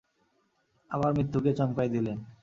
আবার মৃত্যুকে চমকায় দিলেন!